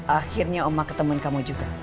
akhirnya oma ketemu kamu juga